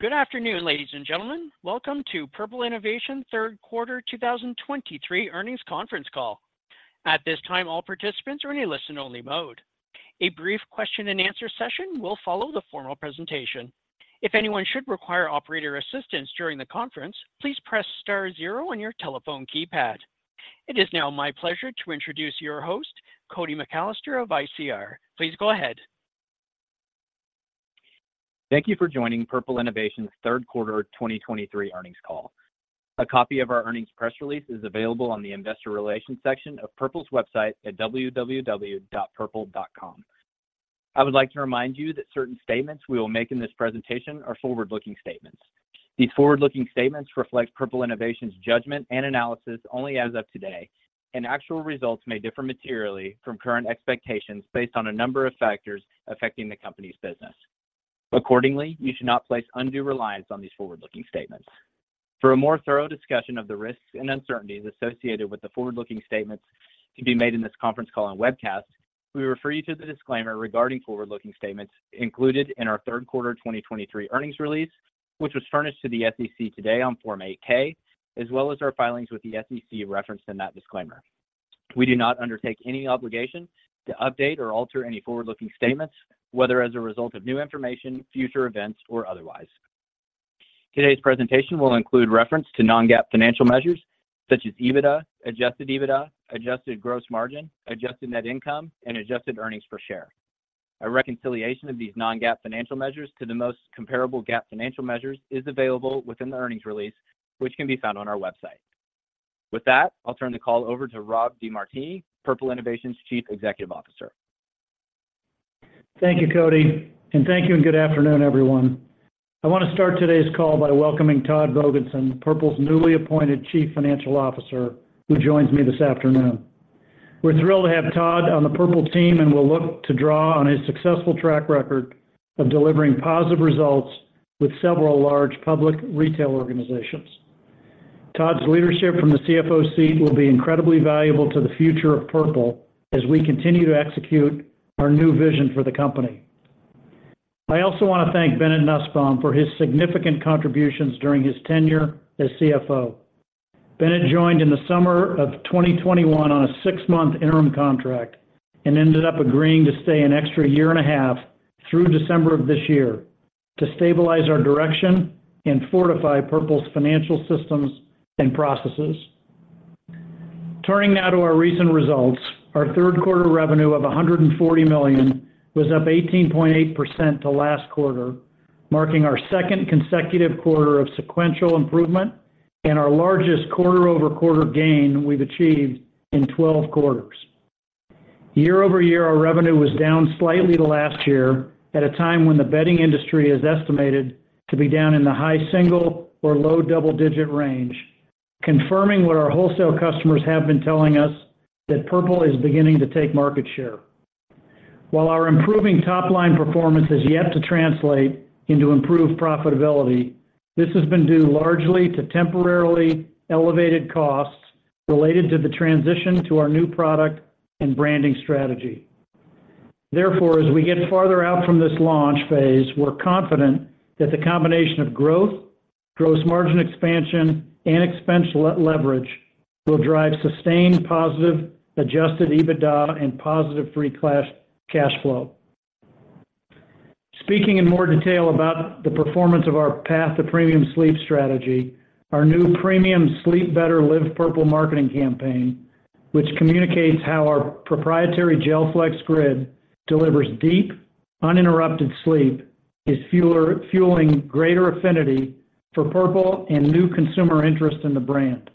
Good afternoon, ladies and gentlemen. Welcome to Purple Innovation third quarter 2023 earnings conference call. At this time, all participants are in a listen-only mode. A brief question and answer session will follow the formal presentation. If anyone should require operator assistance during the conference, please press star zero on your telephone keypad. It is now my pleasure to introduce your host, Cody McAlester of ICR. Please go ahead. Thank you for joining Purple Innovation's third quarter 2023 earnings call. A copy of our earnings press release is available on the investor relations section of Purple's website at www.purple.com. I would like to remind you that certain statements we will make in this presentation are forward-looking statements. These forward-looking statements reflect Purple Innovation's judgment and analysis only as of today, and actual results may differ materially from current expectations based on a number of factors affecting the company's business. Accordingly, you should not place undue reliance on these forward-looking statements. For a more thorough discussion of the risks and uncertainties associated with the forward-looking statements to be made in this conference call and webcast, we refer you to the disclaimer regarding forward-looking statements included in our third quarter 2023 earnings release, which was furnished to the SEC today on Form 8-K, as well as our filings with the SEC referenced in that disclaimer. We do not undertake any obligation to update or alter any forward-looking statements, whether as a result of new information, future events, or otherwise. Today's presentation will include reference to non-GAAP financial measures such as EBITDA, adjusted EBITDA, adjusted gross margin, adjusted net income, and adjusted earnings per share. A reconciliation of these non-GAAP financial measures to the most comparable GAAP financial measures is available within the earnings release, which can be found on our website. With that, I'll turn the call over to Rob DeMartini, Purple Innovation's Chief Executive Officer. Thank you, Cody, and thank you, and good afternoon, everyone. I want to start today's call by welcoming Todd Vogensen, Purple's newly appointed Chief Financial Officer, who joins me this afternoon. We're thrilled to have Todd on the Purple team, and we'll look to draw on his successful track record of delivering positive results with several large public retail organizations. Todd's leadership from the CFO seat will be incredibly valuable to the future of Purple as we continue to execute our new vision for the company. I also want to thank Bennett Nussbaum for his significant contributions during his tenure as CFO. Bennett joined in the summer of 2021 on a six-month interim contract and ended up agreeing to stay an extra year and a half through December of this year to stabilize our direction and fortify Purple's financial systems and processes. Turning now to our recent results, our third quarter revenue of $140 million was up 18.8% to last quarter, marking our second consecutive quarter of sequential improvement and our largest quarter-over-quarter gain we've achieved in 12 quarters. Year-over-year, our revenue was down slightly to last year at a time when the bedding industry is estimated to be down in the high single- or low double-digit range, confirming what our wholesale customers have been telling us, that Purple is beginning to take market share. While our improving top-line performance is yet to translate into improved profitability, this has been due largely to temporarily elevated costs related to the transition to our new product and branding strategy. Therefore, as we get farther out from this launch phase, we're confident that the combination of growth, gross margin expansion, and expense leverage will drive sustained positive adjusted EBITDA and positive free cash flow. Speaking in more detail about the performance of our path to premium sleep strategy, our new premium Sleep Better, Live Purple marketing campaign, which communicates how our proprietary GelFlex Grid delivers deep, uninterrupted sleep, is fueling greater affinity for Purple and new consumer interest in the brand.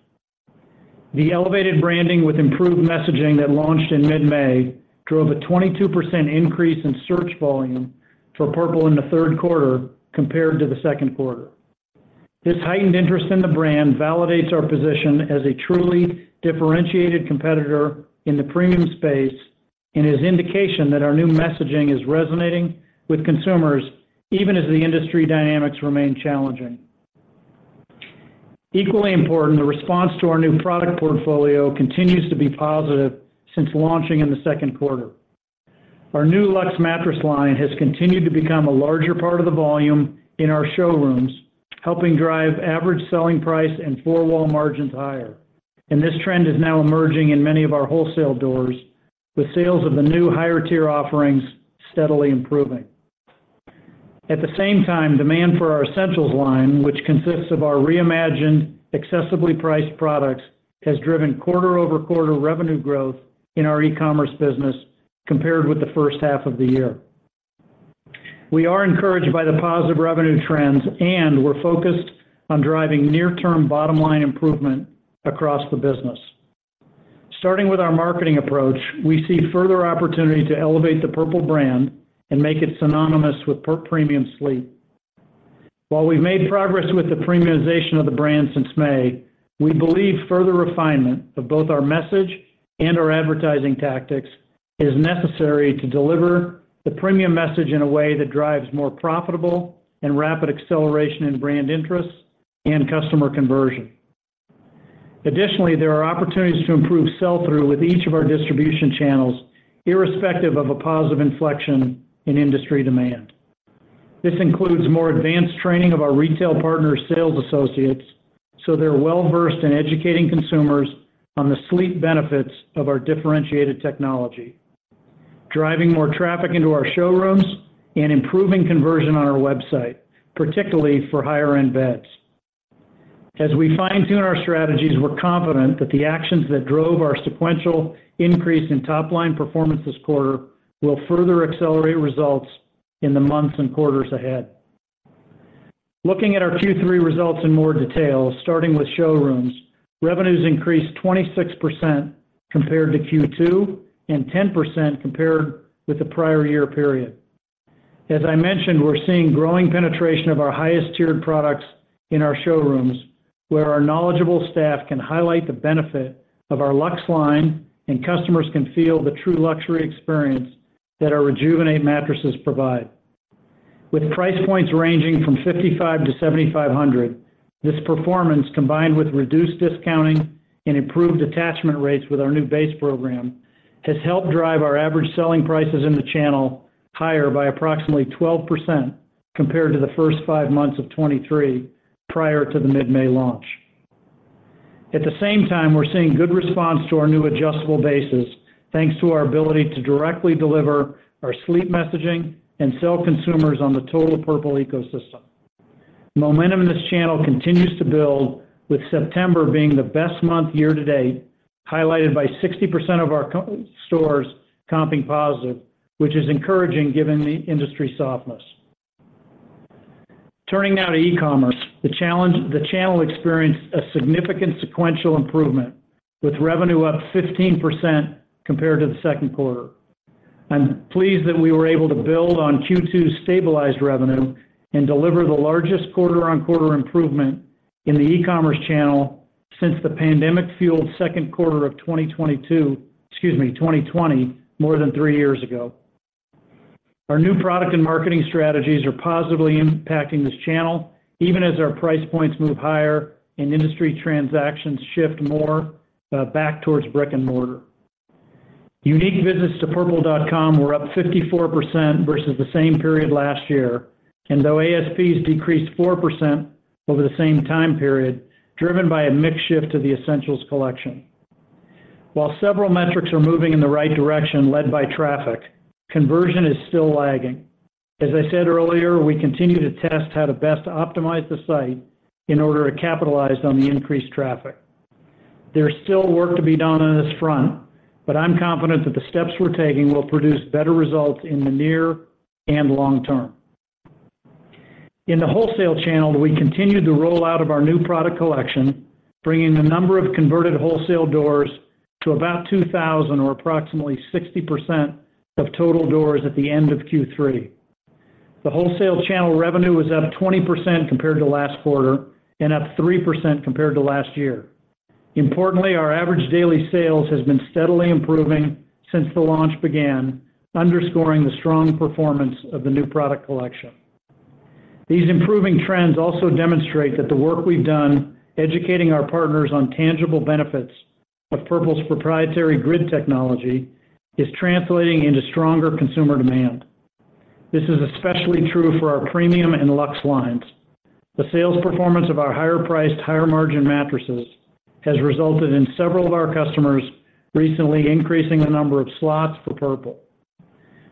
The elevated branding with improved messaging that launched in mid-May drove a 22% increase in search volume for Purple in the third quarter compared to the second quarter. This heightened interest in the brand validates our position as a truly differentiated competitor in the premium space and is indication that our new messaging is resonating with consumers, even as the industry dynamics remain challenging. Equally important, the response to our new product portfolio continues to be positive since launching in the second quarter. Our new Luxe mattress line has continued to become a larger part of the volume in our showrooms, helping drive average selling price and four-wall margins Margins higher. This trend is now emerging in many of our wholesale doors, with sales of the new higher-tier offerings steadily improving. At the same time, demand for our Essentials line, which consists of our reimagined, accessibly priced products, has driven quarter-over-quarter revenue growth in our e-commerce business compared with the first half of the year. We are encouraged by the positive revenue trends, and we're focused on driving near-term bottom-line improvement across the business. Starting with our marketing approach, we see further opportunity to elevate the Purple brand and make it synonymous with per premium sleep. While we've made progress with the premiumization of the brand since May, we believe further refinement of both our message and our advertising tactics is necessary to deliver the premium message in a way that drives more profitable and rapid acceleration in brand interest and customer conversion. Additionally, there are opportunities to improve sell-through with each of our distribution channels, irrespective of a positive inflection in industry demand. This includes more advanced training of our retail partner sales associates, so they're well-versed in educating consumers on the sleep benefits of our differentiated technology, driving more traffic into our showrooms, and improving conversion on our website, particularly for higher-end beds. As we fine-tune our strategies, we're confident that the actions that drove our sequential increase in top-line performance this quarter will further accelerate results in the months and quarters ahead. Looking at our Q3 results in more detail, starting with showrooms, revenues increased 26% compared to Q2 and 10% compared with the prior year period. As I mentioned, we're seeing growing penetration of our highest-tiered products in our showrooms, where our knowledgeable staff can highlight the benefit of our Luxe line, and customers can feel the true luxury experience that our Rejuvenate mattresses provide. With price points ranging from $5,500-$7,500, this performance, combined with reduced discounting and improved attachment rates with our new base program, has helped drive our average selling prices in the channel higher by approximately 12% compared to the first five months of 2023, prior to the mid-May launch. At the same time, we're seeing good response to our new adjustable bases, thanks to our ability to directly deliver our sleep messaging and sell consumers on the total Purple ecosystem. Momentum in this channel continues to build, with September being the best month year-to-date, highlighted by 60% of our stores comping positive, which is encouraging given the industry softness. Turning now to e-commerce, the channel experienced a significant sequential improvement, with revenue up 15% compared to the second quarter. I'm pleased that we were able to build on Q2's stabilized revenue and deliver the largest quarter-on-quarter improvement in the e-commerce channel since the pandemic-fueled second quarter of 2022, excuse me, 2020, more than three years ago. Our new product and marketing strategies are positively impacting this channel, even as our price points move higher and industry transactions shift more back towards brick and mortar. Unique visits to Purple.com were up 54% versus the same period last year, and though ASPs decreased 4% over the same time period, driven by a mix shift to the Essentials Collection. While several metrics are moving in the right direction, led by traffic, conversion is still lagging. As I said earlier, we continue to test how to best optimize the site in order to capitalize on the increased traffic. There's still work to be done on this front, but I'm confident that the steps we're taking will produce better results in the near and long term. In the wholesale channel, we continued the roll out of our new product collection, bringing the number of converted wholesale doors to about 2,000 or approximately 60% of total doors at the end of Q3. The wholesale channel revenue was up 20% compared to last quarter and up 3% compared to last year. Importantly, our average daily sales has been steadily improving since the launch began, underscoring the strong performance of the new product collection. These improving trends also demonstrate that the work we've done educating our partners on tangible benefits of Purple's proprietary grid technology is translating into stronger consumer demand. This is especially true for our premium and luxe lines. The sales performance of our higher-priced, higher-margin mattresses has resulted in several of our customers recently increasing the number of slots for Purple.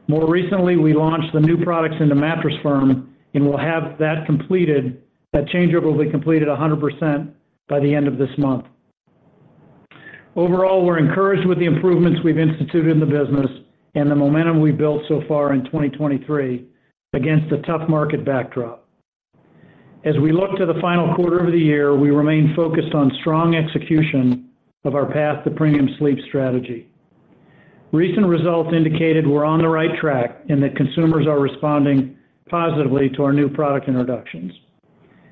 More recently, we launched the new products into Mattress Firm, and we'll have that completed, that changeover will be completed 100% by the end of this month. Overall, we're encouraged with the improvements we've instituted in the business and the momentum we've built so far in 2023 against a tough market backdrop. As we look to the final quarter of the year, we remain focused on strong execution of our path to premium sleep strategy. Recent results indicated we're on the right track and that consumers are responding positively to our new product introductions.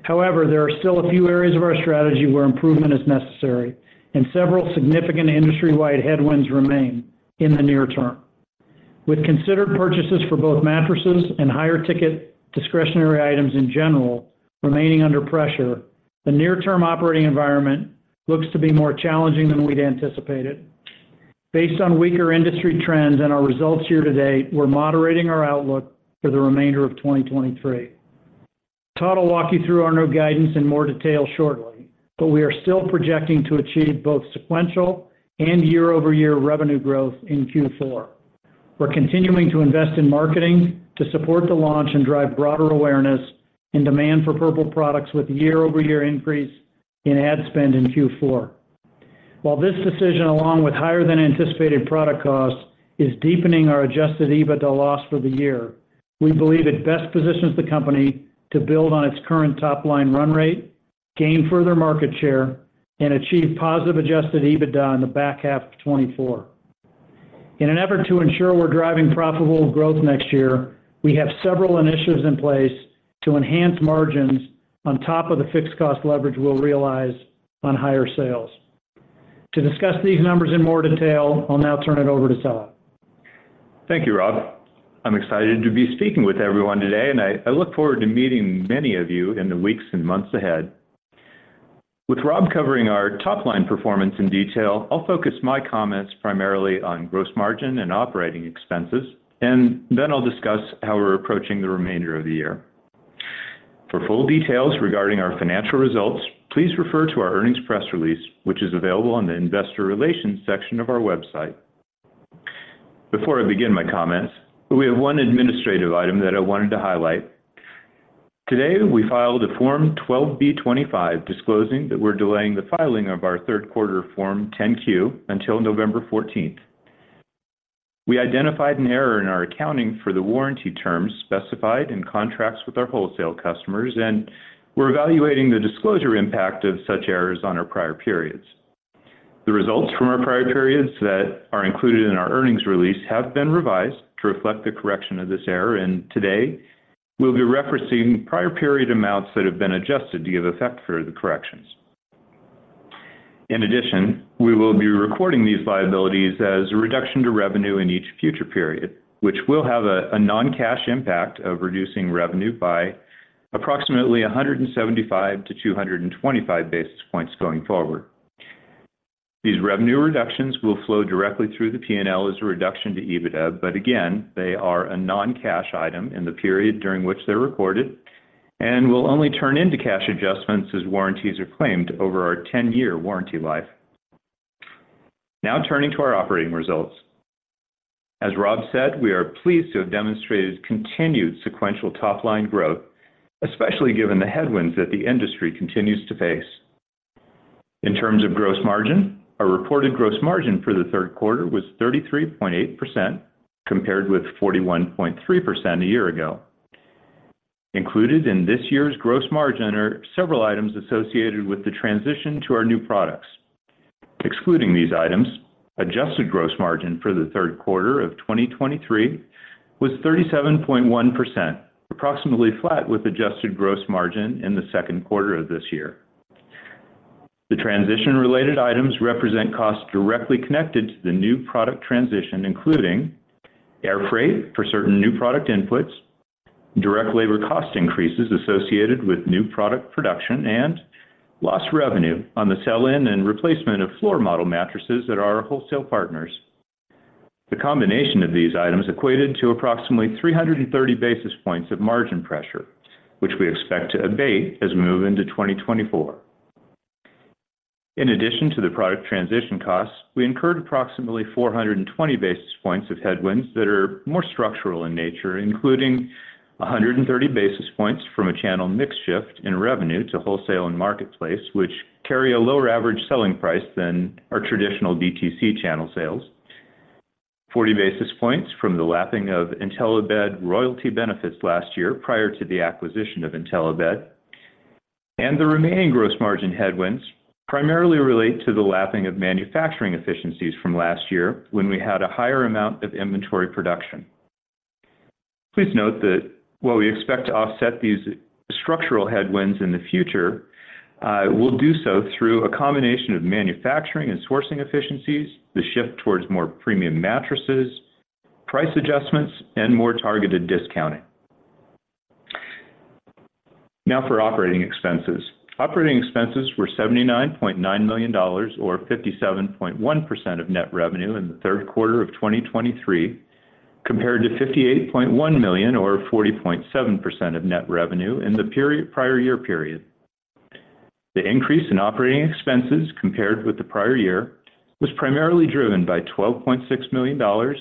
However, there are still a few areas of our strategy where improvement is necessary, and several significant industry-wide headwinds remain in the near term. With considered purchases for both mattresses and higher-ticket discretionary items in general remaining under pressure, the near-term operating environment looks to be more challenging than we'd anticipated. Based on weaker industry trends and our results here today, we're moderating our outlook for the remainder of 2023. Todd will walk you through our new guidance in more detail shortly, but we are still projecting to achieve both sequential and year-over-year revenue growth in Q4. We're continuing to invest in marketing to support the launch and drive broader awareness and demand for Purple products with year-over-year increase in ad spend in Q4. While this decision, along with higher-than-anticipated product costs, is deepening our adjusted EBITDA loss for the year, we believe it best positions the company to build on its current top-line run rate, gain further market share, and achieve positive adjusted EBITDA in the back half of 2024. In an effort to ensure we're driving profitable growth next year, we have several initiatives in place to enhance margins on top of the fixed cost leverage we'll realize on higher sales. To discuss these numbers in more detail, I'll now turn it over to Todd. Thank you, Rob. I'm excited to be speaking with everyone today, and I look forward to meeting many of you in the weeks and months ahead. With Rob covering our top-line performance in detail, I'll focus my comments primarily on gross margin and operating expenses, and then I'll discuss how we're approaching the remainder of the year. For full details regarding our financial results, please refer to our earnings press release, which is available on the Investor Relations section of our website. Before I begin my comments, we have one administrative item that I wanted to highlight. Today, we filed a Form 12b-25, disclosing that we're delaying the filing of our third quarter Form 10-Q until November 14. We identified an error in our accounting for the warranty terms specified in contracts with our wholesale customers, and we're evaluating the disclosure impact of such errors on our prior periods. The results from our prior periods that are included in our earnings release have been revised to reflect the correction of this error, and today, we'll be referencing prior period amounts that have been adjusted to give effect for the corrections. In addition, we will be recording these liabilities as a reduction to revenue in each future period, which will have a non-cash impact of reducing revenue by approximately 175-225 basis points going forward. These revenue reductions will flow directly through the P&L as a reduction to EBITDA, but again, they are a non-cash item in the period during which they're recorded, and will only turn into cash adjustments as warranties are claimed over our 10-year warranty life. Now, turning to our operating results. As Rob said, we are pleased to have demonstrated continued sequential top-line growth, especially given the headwinds that the industry continues to face. In terms of gross margin, our reported gross margin for the third quarter was 33.8%, compared with 41.3% a year ago. Included in this year's gross margin are several items associated with the transition to our new products. Excluding these items, adjusted gross margin for the third quarter of 2023 was 37.1%, approximately flat, with adjusted gross margin in the second quarter of this year. The transition-related items represent costs directly connected to the new product transition, including air freight for certain new product inputs, direct labor cost increases associated with new product production, and lost revenue on the sell-in and replacement of floor model mattresses at our wholesale partners. The combination of these items equated to approximately 330 basis points of margin pressure, which we expect to abate as we move into 2024. In addition to the product transition costs, we incurred approximately 420 basis points of headwinds that are more structural in nature, including 130 basis points from a channel mix shift in revenue to wholesale and marketplace, which carry a lower average selling price than our traditional DTC channel sales. 40 basis points from the lapping of Intellibed royalty benefits last year, prior to the acquisition of Intellibed. The remaining gross margin headwinds primarily relate to the lapping of manufacturing efficiencies from last year when we had a higher amount of inventory production. Please note that while we expect to offset these structural headwinds in the future, we'll do so through a combination of manufacturing and sourcing efficiencies, the shift towards more premium mattresses, price adjustments, and more targeted discounting. Now, for operating expenses. Operating expenses were $79.9 million or 57.1% of net revenue in the third quarter of 2023, compared to $58.1 million or 40.7% of net revenue in the prior year period. The increase in operating expenses compared with the prior year was primarily driven by $12.6 million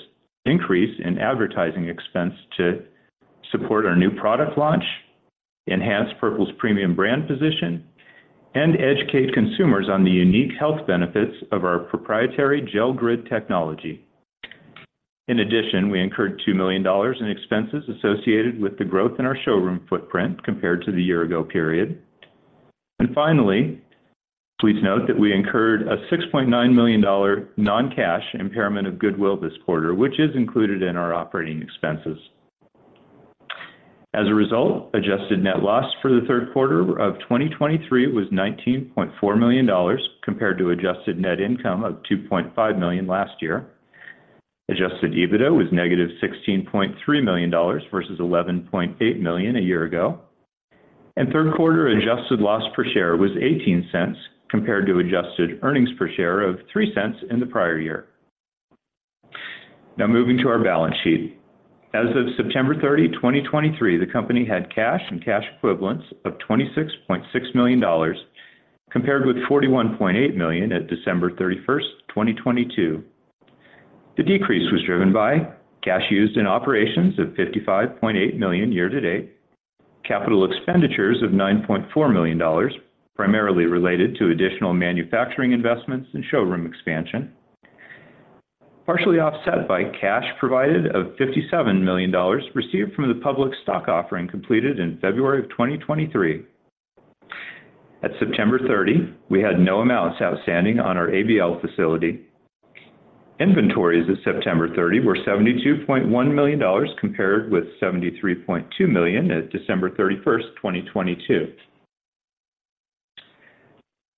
increase in advertising expense to support our new product launch, enhance Purple's premium brand position, and educate consumers on the unique health benefits of our proprietary gel grid technology. In addition, we incurred $2 million in expenses associated with the growth in our showroom footprint compared to the year-ago period. And finally, please note that we incurred a $6.9 million non-cash impairment of goodwill this quarter, which is included in our operating expenses. As a result, adjusted net loss for the third quarter of 2023 was $19.4 million, compared to adjusted net income of $2.5 million last year. Adjusted EBITDA was negative $16.3 million versus $11.8 million a year ago, and third quarter adjusted loss per share was $0.18, compared to adjusted earnings per share of $0.03 in the prior year. Now, moving to our balance sheet. As of September 30, 2023, the company had cash and cash equivalents of $26.6 million, compared with $41.8 million at December 31, 2022. The decrease was driven by cash used in operations of $55.8 million year to date, capital expenditures of $9.4 million, primarily related to additional manufacturing investments and showroom expansion, partially offset by cash provided of $57 million received from the public stock offering completed in February 2023. At September 30, we had no amounts outstanding on our ABL facility. Inventories at September 30 were $72.1 million, compared with $73.2 million at December 31, 2022.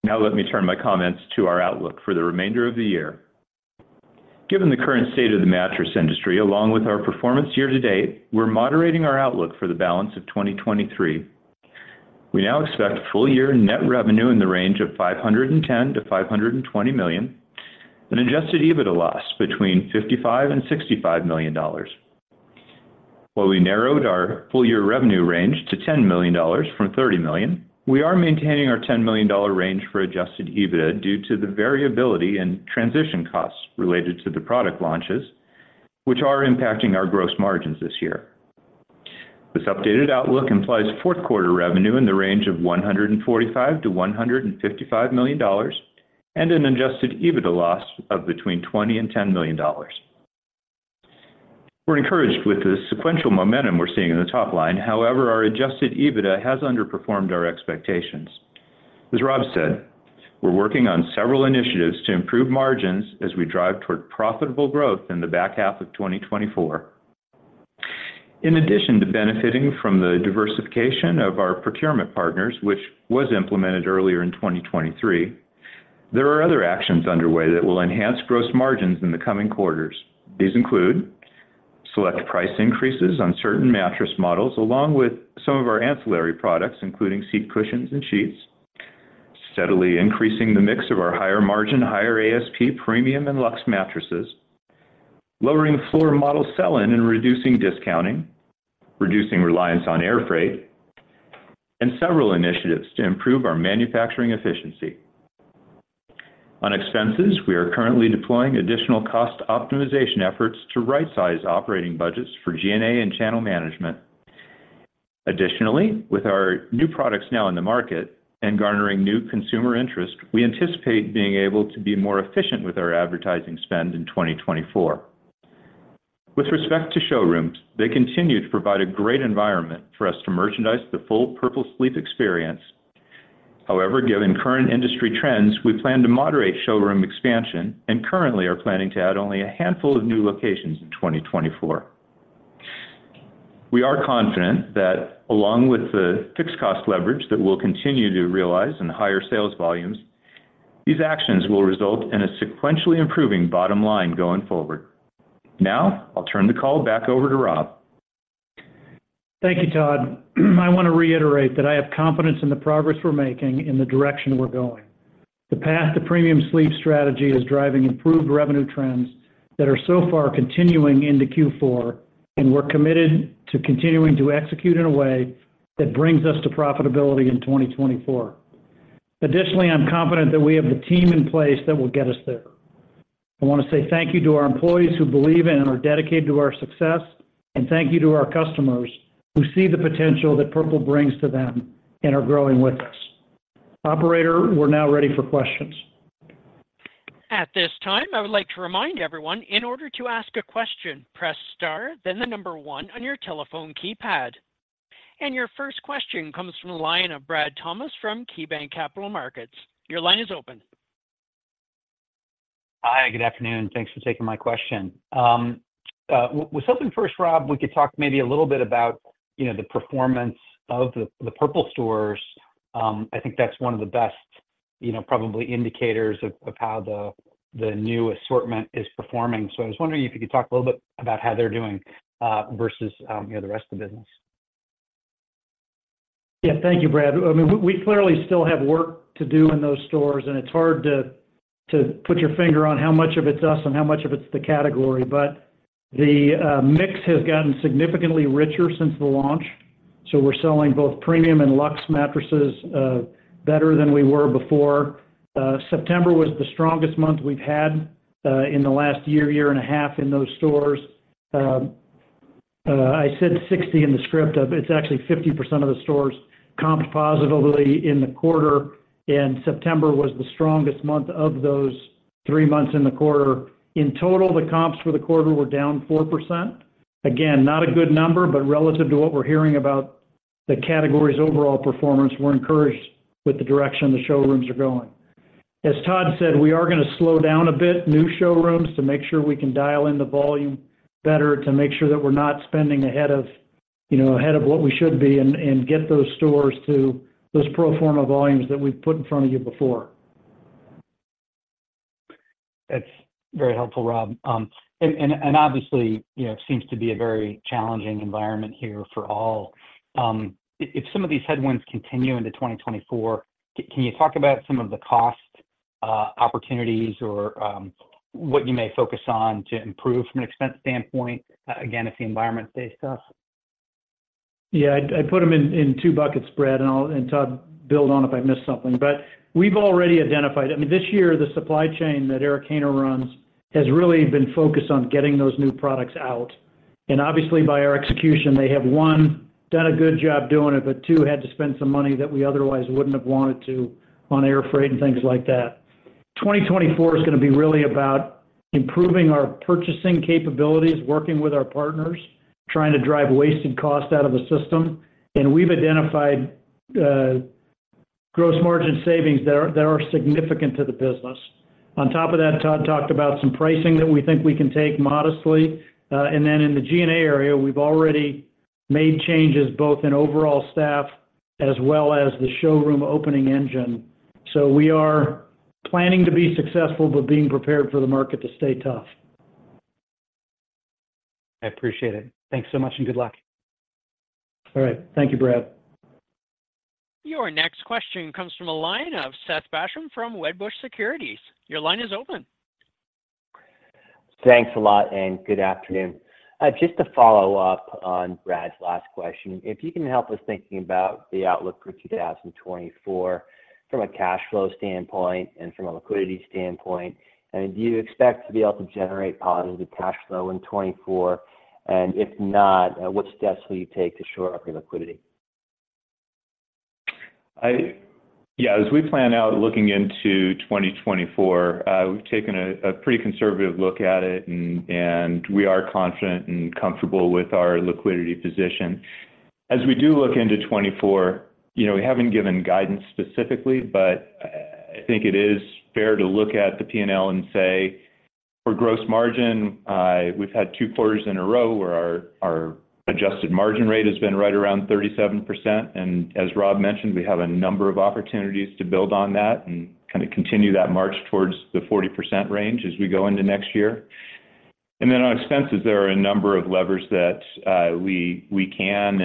Now let me turn my comments to our outlook for the remainder of the year. Given the current state of the mattress industry, along with our performance year-to-date, we're moderating our outlook for the balance of 2023. We now expect full-year net revenue in the range of $510 million-$520 million, an adjusted EBITDA loss between $55 million-$65 million. While we narrowed our full-year revenue range to $10 million from $30 million, we are maintaining our $10 million range for adjusted EBITDA due to the variability and transition costs related to the product launches, which are impacting our gross margins this year. This updated outlook implies fourth quarter revenue in the range of $145 million-$155 million, and an adjusted EBITDA loss of between $20 million and $10 million. We're encouraged with the sequential momentum we're seeing in the top line. However, our adjusted EBITDA has underperformed our expectations. As Rob said, we're working on several initiatives to improve margins as we drive toward profitable growth in the back half of 2024. In addition to benefiting from the diversification of our procurement partners, which was implemented earlier in 2023, there are other actions underway that will enhance gross margins in the coming quarters. These include: select price increases on certain mattress models, along with some of our ancillary products, including seat cushions and sheets. Steadily increasing the mix of our higher-margin, higher ASP, premium, and luxe mattresses. Lowering the floor model sell-in and reducing discounting, reducing reliance on air freight, and several initiatives to improve our manufacturing efficiency. On expenses, we are currently deploying additional cost optimization efforts to rightsize operating budgets for G&A and channel management. Additionally, with our new products now in the market and garnering new consumer interest, we anticipate being able to be more efficient with our advertising spend in 2024. With respect to showrooms, they continue to provide a great environment for us to merchandise the full Purple Sleep experience. However, given current industry trends, we plan to moderate showroom expansion and currently are planning to add only a handful of new locations in 2024. We are confident that, along with the fixed cost leverage that we'll continue to realize in higher sales volumes, these actions will result in a sequentially improving bottom line going forward. Now, I'll turn the call back over to Rob. Thank you, Todd. I want to reiterate that I have confidence in the progress we're making and the direction we're going. The path to premium sleep strategy is driving improved revenue trends that are so far continuing into Q4, and we're committed to continuing to execute in a way that brings us to profitability in 2024. Additionally, I'm confident that we have the team in place that will get us there. I want to say thank you to our employees who believe in and are dedicated to our success, and thank you to our customers who see the potential that Purple brings to them and are growing with us. Operator, we're now ready for questions. At this time, I would like to remind everyone, in order to ask a question, press Star, then the number one on your telephone keypad. Your first question comes from the line of Brad Thomas from KeyBanc Capital Markets. Your line is open. Hi, good afternoon, and thanks for taking my question. Was hoping first, Rob, we could talk maybe a little bit about, you know, the performance of the Purple stores. I think that's one of the best, you know, probably indicators of how the new assortment is performing. So I was wondering if you could talk a little bit about how they're doing versus, you know, the rest of the business. Yeah. Thank you, Brad. I mean, we clearly still have work to do in those stores, and it's hard to put your finger on how much of it's us and how much of it's the category, but the mix has gotten significantly richer since the launch, so we're selling both premium and luxe mattresses better than we were before. September was the strongest month we've had in the last year, year and a half in those stores. I said 60 in the script, but it's actually 50% of the stores comped positively in the quarter, and September was the strongest month of those three months in the quarter. In total, the comps for the quarter were down 4%. Again, not a good number, but relative to what we're hearing about the category's overall performance, we're encouraged with the direction the showrooms are going. As Todd said, we are gonna slow down a bit, new showrooms, to make sure we can dial in the volume better, to make sure that we're not spending ahead of, you know, ahead of what we should be, and get those stores to those pro forma volumes that we've put in front of you before. That's very helpful, Rob. And obviously, you know, it seems to be a very challenging environment here for all. If some of these headwinds continue into 2024, can you talk about some of the cost opportunities or what you may focus on to improve from an expense standpoint, again, if the environment stays tough? Yeah, I'd put them in two buckets, Brad, and I'll... And Todd, build on if I miss something. But we've already identified, I mean, this year, the supply chain that Eric Haynor runs has really been focused on getting those new products out. And obviously, by our execution, they have, one, done a good job doing it, but two, had to spend some money that we otherwise wouldn't have wanted to on air freight and things like that. 2024 is gonna be really about improving our purchasing capabilities, working with our partners, trying to drive wasted cost out of the system. And we've identified gross margin savings that are significant to the business. On top of that, Todd talked about some pricing that we think we can take modestly. In the G&A area, we've already made changes, both in overall staff as well as the showroom opening engine. We are planning to be successful, but being prepared for the market to stay tough. I appreciate it. Thanks so much, and good luck. All right. Thank you, Brad. Your next question comes from the line of Seth Basham from Wedbush Securities. Your line is open. Thanks a lot, and good afternoon. Just to follow up on Brad's last question, if you can help us thinking about the outlook for 2024 from a cash flow standpoint and from a liquidity standpoint, and do you expect to be able to generate positive cash flow in 2024? And if not, what steps will you take to shore up your liquidity? Yeah, as we plan out looking into 2024, we've taken a pretty conservative look at it, and we are confident and comfortable with our liquidity position. As we do look into 2024, you know, we haven't given guidance specifically, but I think it is fair to look at the P&L and say, for gross margin, we've had two quarters in a row where our adjusted margin rate has been right around 37%. And as Rob mentioned, we have a number of opportunities to build on that and kind of continue that march towards the 40% range as we go into next year. And then on expenses, there are a number of levers that we can,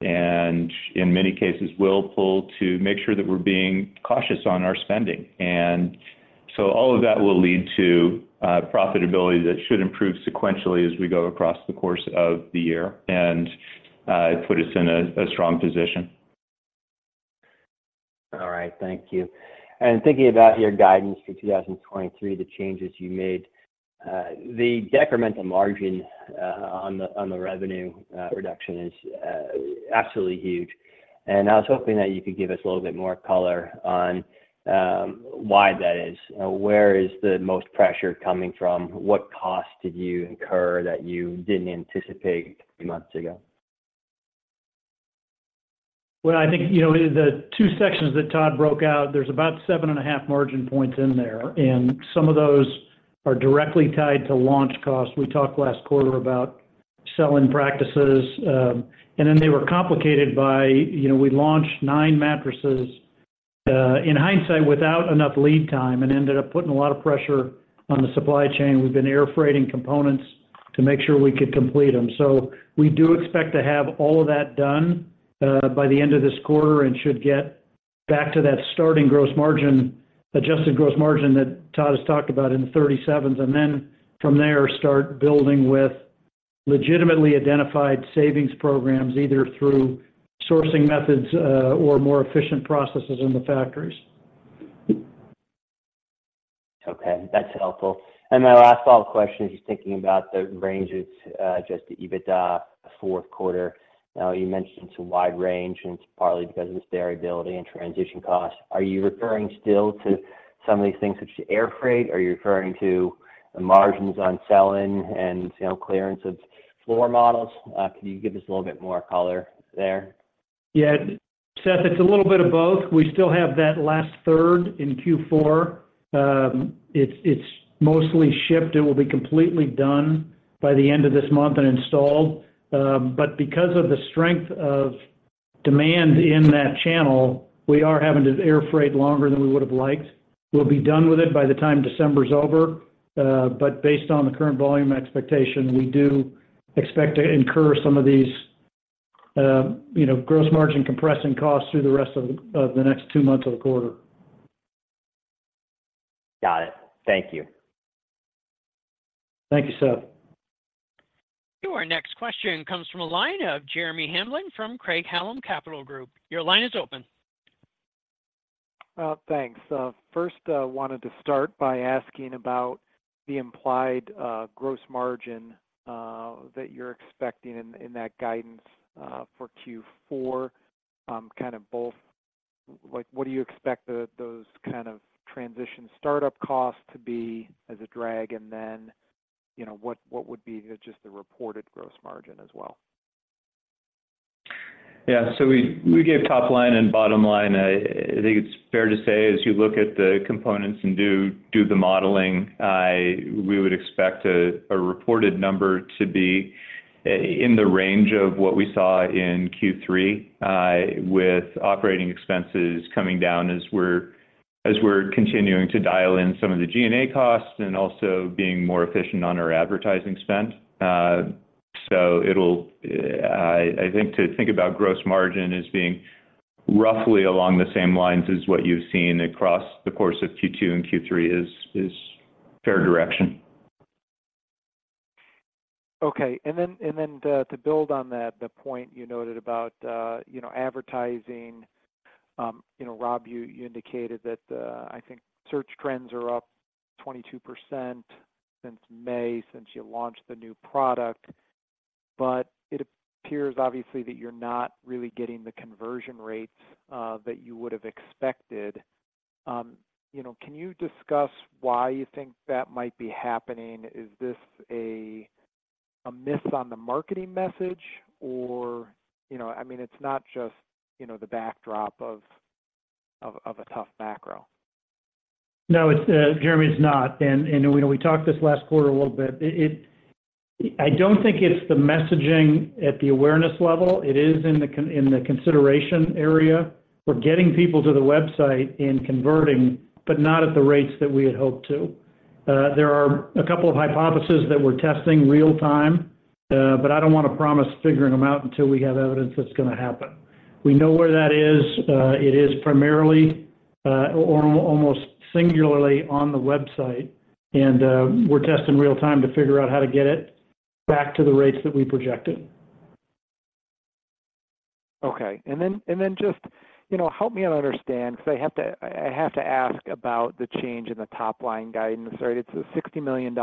and in many cases, will pull to make sure that we're being cautious on our spending. And so all of that will lead to profitability that should improve sequentially as we go across the course of the year, and it put us in a strong position. All right, thank you. Thinking about your guidance for 2023, the changes you made, the decremental margin on the revenue reduction is absolutely huge. I was hoping that you could give us a little bit more color on why that is. Where is the most pressure coming from? What costs did you incur that you didn't anticipate a few months ago? Well, I think, you know, the two sections that Todd broke out, there's about 7.5 margin points in there, and some of those are directly tied to launch costs. We talked last quarter about sell-in practices, and then they were complicated by, you know, we launched nine mattresses, in hindsight, without enough lead time and ended up putting a lot of pressure on the supply chain. We've been air freighting components to make sure we could complete them. So we do expect to have all of that done, by the end of this quarter and should get back to that starting gross margin, adjusted gross margin that Todd has talked about in the 37s, and then from there, start building with legitimately identified savings programs, either through sourcing methods, or more efficient processes in the factories. Okay, that's helpful. And my last follow-up question is just thinking about the ranges, just the EBITDA fourth quarter. You mentioned it's a wide range, and it's partly because of this variability and transition costs. Are you referring still to some of these things such as air freight? Are you referring to the margins on sell-in and sale clearance of floor models? Can you give us a little bit more color there? Yeah, Seth, it's a little bit of both. We still have that last third in Q4. It's mostly shipped. It will be completely done by the end of this month and installed. But because of the strength of demand in that channel, we are having to air freight longer than we would have liked. We'll be done with it by the time December is over, but based on the current volume expectation, we do expect to incur some of these, you know, gross margin compressing costs through the rest of the next two months of the quarter. Got it. Thank you. Thank you, Seth. Your next question comes from a line of Jeremy Hamblin from Craig-Hallum Capital Group. Your line is open. Well, thanks. First, I wanted to start by asking about the implied gross margin that you're expecting in that guidance for Q4. Kind of both... Like, what do you expect those kind of transition startup costs to be as a drag, and then, you know, what would be just the reported gross margin as well? Yeah. So we gave top line and bottom line. I think it's fair to say, as you look at the components and do the modeling, I—we would expect a reported number to be in the range of what we saw in Q3, with operating expenses coming down as we're continuing to dial in some of the G&A costs and also being more efficient on our advertising spend. So it'll, I think to think about gross margin as being roughly along the same lines as what you've seen across the course of Q2 and Q3 is fair direction. Okay. And then to build on that, the point you noted about, you know, advertising. You know, Rob, you indicated that, I think search trends are up 22% since May, since you launched the new product, but it appears obviously that you're not really getting the conversion rates that you would have expected. You know, can you discuss why you think that might be happening? Is this a miss on the marketing message or, you know, I mean, it's not just, you know, the backdrop of a tough macro? No, it's Jeremy, it's not. And we know we talked this last quarter a little bit. I don't think it's the messaging at the awareness level. It is in the consideration area. We're getting people to the website and converting, but not at the rates that we had hoped to. There are a couple of hypotheses that we're testing real-time, but I don't want to promise figuring them out until we have evidence that's gonna happen. We know where that is. It is primarily or almost singularly on the website, and we're testing real-time to figure out how to get it back to the rates that we projected. Okay. And then just, you know, help me understand, 'cause I have to, I have to ask about the change in the top-line guidance, right? It's a $60 million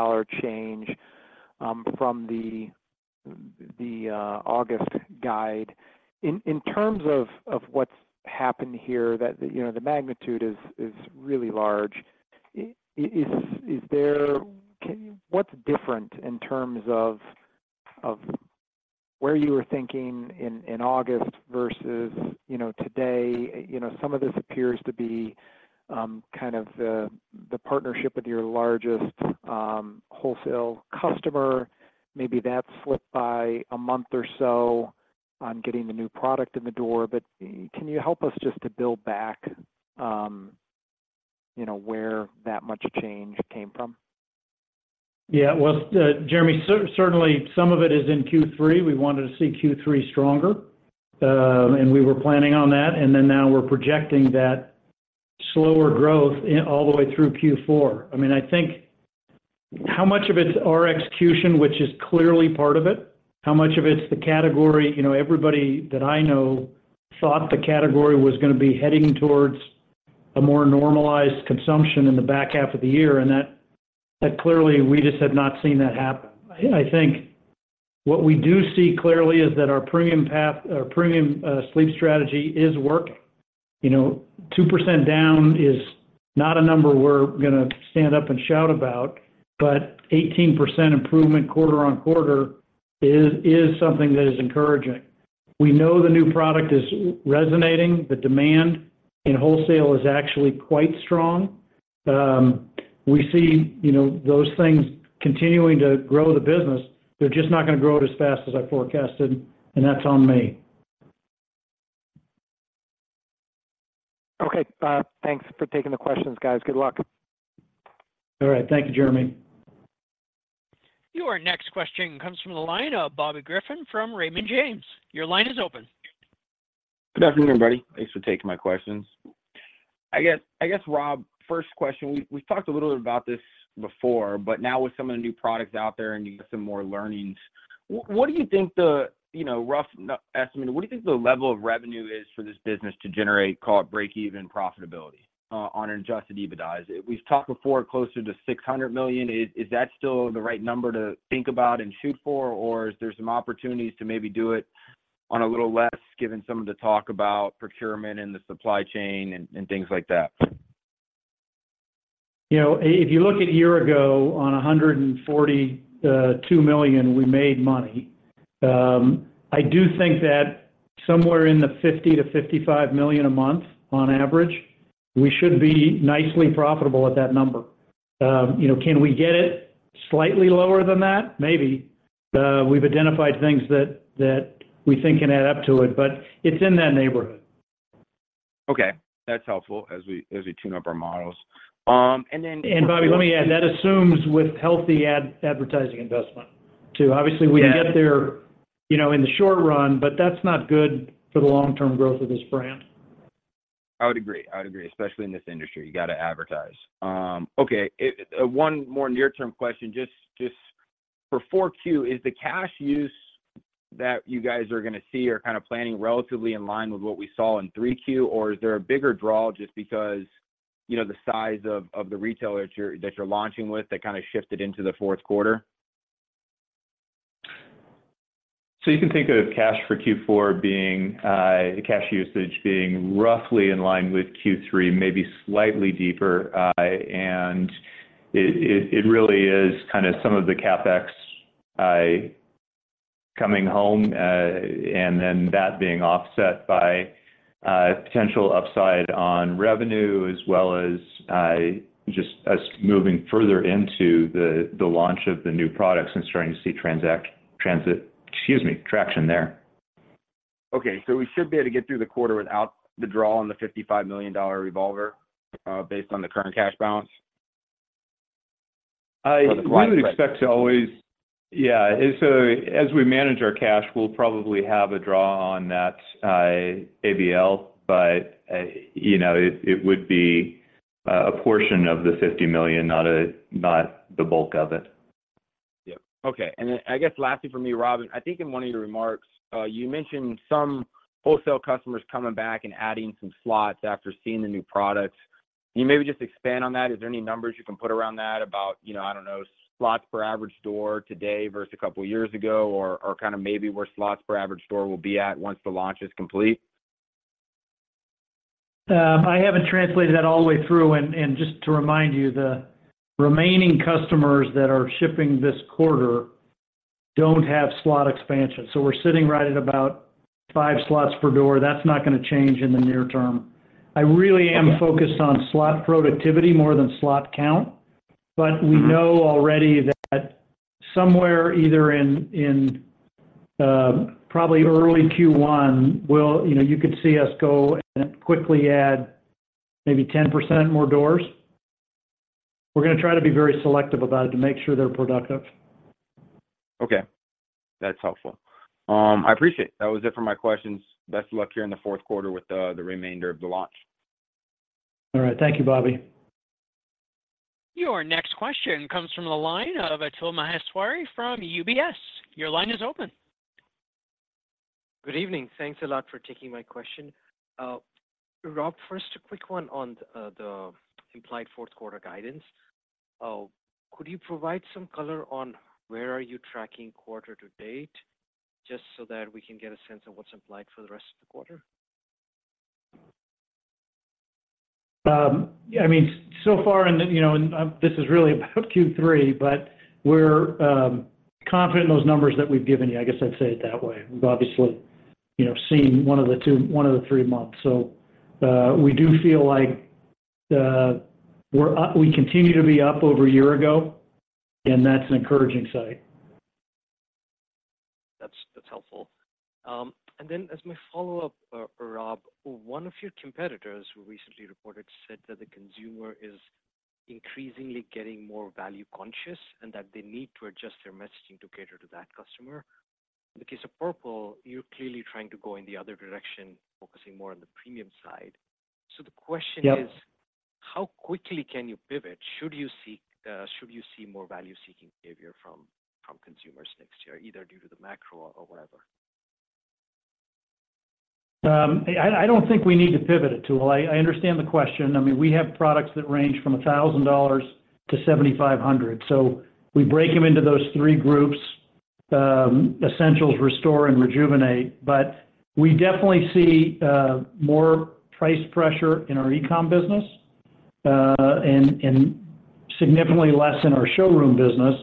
change from the August guide. In terms of what's happened here, that, you know, the magnitude is really large. Is there-- Can you... What's different in terms of where you were thinking in August versus, you know, today? You know, some of this appears to be kind of the partnership with your largest wholesale customer. Maybe that slipped by a month or so on getting the new product in the door. But can you help us just to build back, you know, where that much change came from? Yeah. Well, Jeremy, certainly some of it is in Q3. We wanted to see Q3 stronger, and we were planning on that, and then now we're projecting that slower growth all the way through Q4. I mean, I think how much of it's our execution, which is clearly part of it, how much of it's the category? You know, everybody that I know thought the category was gonna be heading towards a more normalized consumption in the back half of the year, and that clearly we just have not seen that happen. I think what we do see clearly is that our premium path, our premium sleep strategy is working. You know, 2% down is not a number we're gonna stand up and shout about, but 18% improvement quarter-over-quarter is something that is encouraging. We know the new product is resonating. The demand in wholesale is actually quite strong. We see, you know, those things continuing to grow the business. They're just not gonna grow it as fast as I forecasted, and that's on me. Okay. Thanks for taking the questions, guys. Good luck. All right. Thank you, Jeremy. Your next question comes from the line of Bobby Griffin from Raymond James. Your line is open. Good afternoon, everybody. Thanks for taking my questions. I guess, Rob, first question, we've talked a little bit about this before, but now with some of the new products out there and you get some more learnings, what do you think the, you know, rough estimate, what do you think the level of revenue is for this business to generate, call it, break-even profitability on an Adjusted EBITDA? Is it... We've talked before, closer to $600 million. Is that still the right number to think about and shoot for, or is there some opportunities to maybe do it on a little less, given some of the talk about procurement and the supply chain, and things like that? You know, if you look at a year ago, on $142 million, we made money. I do think that somewhere in the $50 million-$55 million a month on average, we should be nicely profitable at that number. You know, can we get it slightly lower than that? Maybe. We've identified things that we think can add up to it, but it's in that neighborhood. Okay, that's helpful as we, as we tune up our models. And then Bobby, let me add, that assumes with healthy advertising investment, too. Yeah. Obviously, we can get there, you know, in the short run, but that's not good for the long-term growth of this brand. I would agree. I would agree, especially in this industry, you got to advertise. Okay, one more near-term question, just, just for 4Q, is the cash use that you guys are gonna see or kind of planning relatively in line with what we saw in 3Q? Or is there a bigger draw just because, you know, the size of, of the retailer that you're, that you're launching with that kind of shifted into the fourth quarter? So you can think of cash for Q4 being, cash usage being roughly in line with Q3, maybe slightly deeper. And it really is kind of some of the CapEx coming home, and then that being offset by potential upside on revenue, as well as just us moving further into the launch of the new products and starting to see transit, excuse me, traction there. Okay. So we should be able to get through the quarter without the draw on the $55 million revolver, based on the current cash balance? We would expect to always. Yeah. So as we manage our cash, we'll probably have a draw on that ABL, but you know, it would be a portion of the $50 million, not the bulk of it. Yep. Okay. And then I guess lastly from me, Rob, I think in one of your remarks, you mentioned some wholesale customers coming back and adding some slots after seeing the new products. Can you maybe just expand on that? Is there any numbers you can put around that about, you know, I don't know, slots per average store today versus a couple of years ago, or, or kind of maybe where slots per average store will be at once the launch is complete? I haven't translated that all the way through. And just to remind you, the remaining customers that are shipping this quarter don't have slot expansion. So we're sitting right at about five slots per door. That's not gonna change in the near term. I really am focused on slot productivity more than slot count, but we know already that somewhere, either in probably early Q1, we'll you know, you could see us go and quickly add maybe 10% more doors. We're gonna try to be very selective about it to make sure they're productive. Okay, that's helpful. I appreciate it. That was it for my questions. Best of luck here in the fourth quarter with the remainder of the launch. All right. Thank you, Bobby. Your next question comes from the line of Atul Maheswari from UBS. Your line is open. Good evening. Thanks a lot for taking my question. Rob, first, a quick one on the implied fourth quarter guidance. Could you provide some color on where are you tracking quarter to date, just so that we can get a sense of what's implied for the rest of the quarter? I mean, so far, you know, this is really about Q3, but we're confident in those numbers that we've given you. I guess I'd say it that way. We've obviously, you know, seen one of the two - one of the three months. So, we do feel like, we're up - we continue to be up over a year ago, and that's an encouraging sight. That's helpful. And then as my follow-up, Rob, one of your competitors who recently reported said that the consumer is increasingly getting more value conscious and that they need to adjust their messaging to cater to that customer. In the case of Purple, you're clearly trying to go in the other direction, focusing more on the premium side. The question is, how quickly can you pivot, should you see more value-seeking behavior from consumers next year, either due to the macro or whatever? I don't think we need to pivot, Atul. I understand the question. I mean, we have products that range from $1,000-$7,500, so we break them into those three groups: essentials, Restore, and Rejuvenate. But we definitely see more price pressure in our e-com business and significantly less in our showroom business,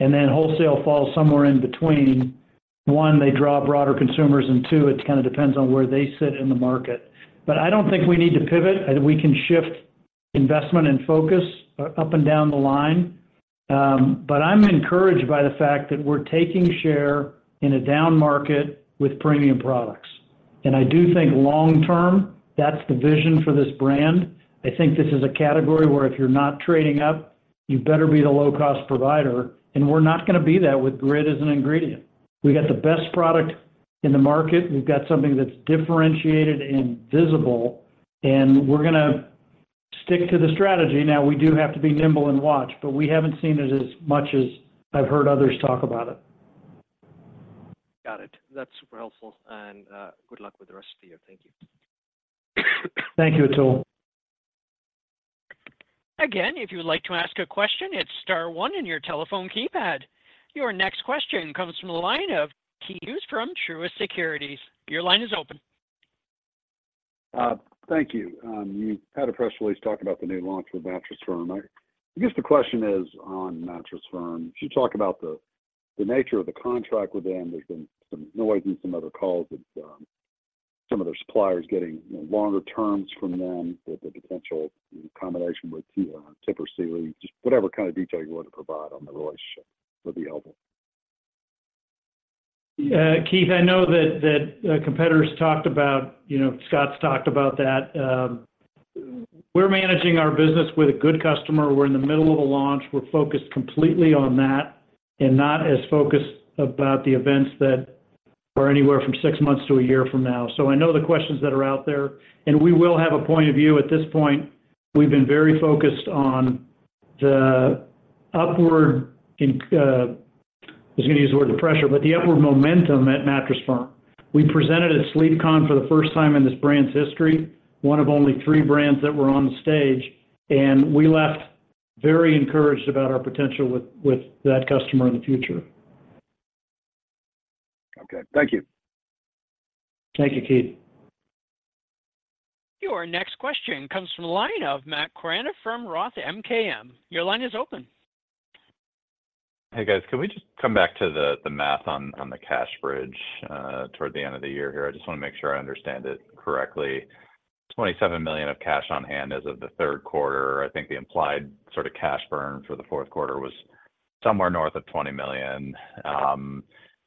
and then wholesale falls somewhere in between. One, they draw broader consumers, and two, it kind of depends on where they sit in the market. But I don't think we need to pivot, and we can shift investment and focus up and down the line. But I'm encouraged by the fact that we're taking share in a down market with premium products. And I do think long term, that's the vision for this brand. I think this is a category where if you're not trading up, you better be the low-cost provider, and we're not gonna be that with Grid as an ingredient. We got the best product in the market, we've got something that's differentiated and visible, and we're gonna stick to the strategy. Now, we do have to be nimble and watch, but we haven't seen it as much as I've heard others talk about it. Got it. That's super helpful. Good luck with the rest of the year. Thank you. Thank you, Atul. Again, if you would like to ask a question, it's star one in your telephone keypad. Your next question comes from the line of Keith Hughes from Truist Securities. Your line is open. Thank you. You had a press release talking about the new launch with Mattress Firm. I guess the question is on Mattress Firm. Could you talk about the nature of the contract with them? There's been some noise in some other calls with some of their suppliers getting, you know, longer terms from them with the potential combination with Tempur Sealy. Just whatever kind of detail you want to provide on the relationship would be helpful. Keith, I know that competitors talked about, you know, Scott's talked about that. We're managing our business with a good customer. We're in the middle of a launch. We're focused completely on that and not as focused about the events that are anywhere from six months to a year from now. So I know the questions that are out there, and we will have a point of view. At this point, we've been very focused on the upward in, I was gonna use the word the pressure, but the upward momentum at Mattress Firm. We presented at SleepCon for the first time in this brand's history, one of only three brands that were on the stage, and we left very encouraged about our potential with, with that customer in the future. Okay. Thank you. Thank you, Keith. Your next question comes from the line of Matt Koranda from Roth MKM. Your line is open. Hey, guys, can we just come back to the math on the cash bridge toward the end of the year here? I just want to make sure I understand it correctly. $27 million of cash on hand as of the third quarter. I think the implied sort of cash burn for the fourth quarter was somewhere north of $20 million.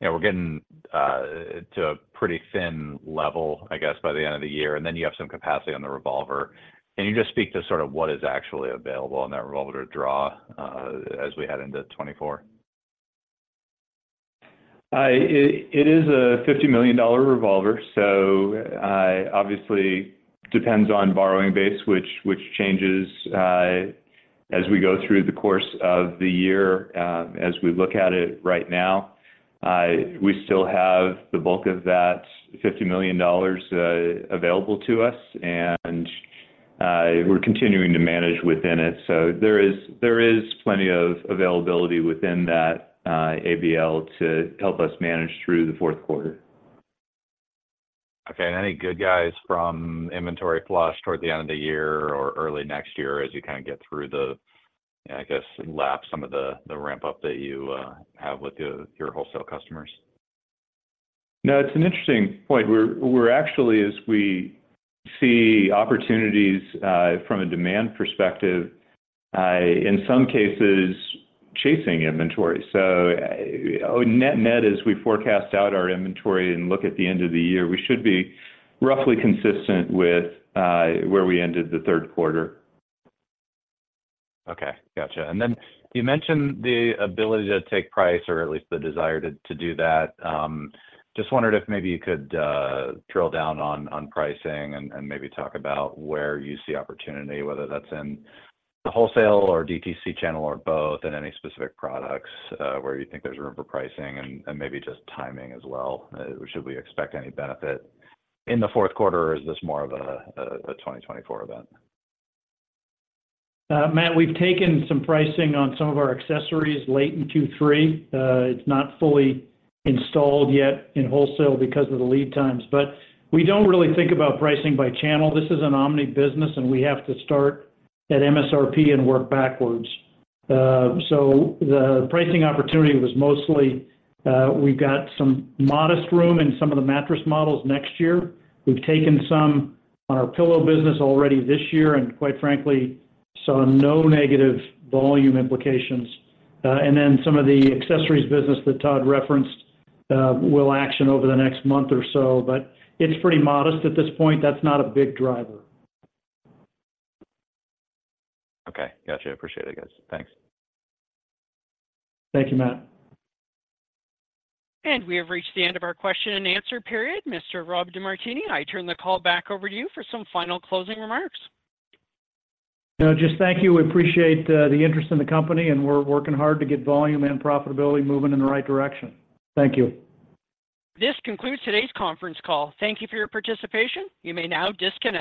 You know, we're getting to a pretty thin level, I guess, by the end of the year, and then you have some capacity on the revolver. Can you just speak to sort of what is actually available on that revolver draw as we head into 2024? It is a $50 million revolver, so obviously, depends on borrowing base, which changes as we go through the course of the year. As we look at it right now, we still have the bulk of that $50 million available to us, and we're continuing to manage within it. So there is plenty of availability within that ABL to help us manage through the fourth quarter. Okay. And any good guys from inventory flush toward the end of the year or early next year as you kinda get through the, I guess, lapse some of the ramp-up that you have with your wholesale customers? No, it's an interesting point. We're actually, as we see opportunities from a demand perspective, in some cases, chasing inventory. So, net, as we forecast out our inventory and look at the end of the year, we should be roughly consistent with where we ended the third quarter. Okay, gotcha. Then you mentioned the ability to take price or at least the desire to do that. Just wondered if maybe you could drill down on pricing and maybe talk about where you see opportunity, whether that's in the wholesale or DTC channel or both, and any specific products where you think there's room for pricing and maybe just timing as well. Should we expect any benefit in the fourth quarter, or is this more of a 2024 event? Matt, we've taken some pricing on some of our accessories late in Q3. It's not fully installed yet in wholesale because of the lead times, but we don't really think about pricing by channel. This is an omni business, and we have to start at MSRP and work backwards. So the pricing opportunity was mostly, we've got some modest room in some of the mattress models next year. We've taken some on our pillow business already this year, and quite frankly, saw no negative volume implications. And then some of the accessories business that Todd referenced, will action over the next month or so, but it's pretty modest at this point. That's not a big driver. Okay, got you. Appreciate it, guys. Thanks. Thank you, Matt. We have reached the end of our question and answer period. Mr. Rob DeMartini, I turn the call back over to you for some final closing remarks. Just thank you. We appreciate the interest in the company, and we're working hard to get volume and profitability moving in the right direction. Thank you. This concludes today's conference call. Thank you for your participation. You may now disconnect.